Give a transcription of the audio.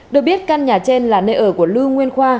được biết căn nhà trên là nơi ở của lưu nguyên khoa